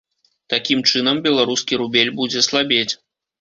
Такім чынам, беларускі рубель будзе слабець.